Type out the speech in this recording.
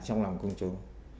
trong lòng công chúng